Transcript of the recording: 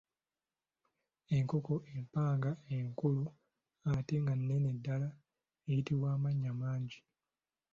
Enkoko empanga enkulu ate nga nnene ddala eyitibwa amannya mangi.